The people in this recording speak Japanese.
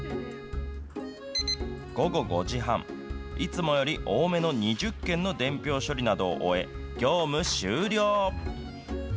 午後５時半、いつもより多めの２０件の伝票処理などを終え、業務終了。